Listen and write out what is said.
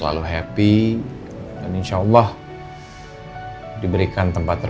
iya ibu malika juga sayang banget sama masa